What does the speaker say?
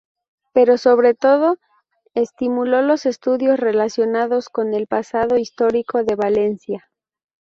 Pero, sobre todo, estimuló los estudios relacionados con el pasado histórico de Valencia.